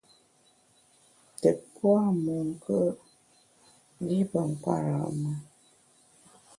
Tùt pua’ monkùe’, li pe nkpara’ mùn.